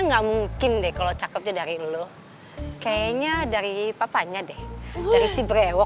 nggak mungkin deh kalau cakepnya dari lu kayaknya dari papanya deh dari si brewo